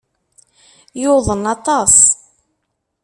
Yuḍen aṭas.